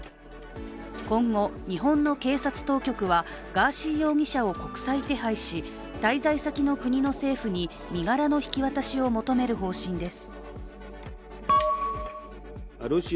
今後、日本の警察当局はガーシー容疑者を国際手配し、滞在先の国の政府に身柄の引き渡しを求める方針です。